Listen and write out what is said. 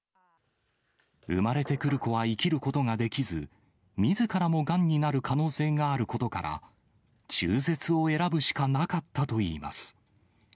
産まれてくる子は生きることができず、みずからもがんになる可能性があることから、中絶を選ぶしかなかったといいます。